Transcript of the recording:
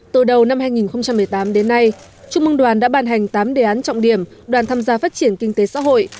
từ đầu năm hai nghìn một mươi tám đến nay trung mương đoàn đã ban hành tám đề án trọng điểm đoàn tham gia phát triển kinh tế xã hội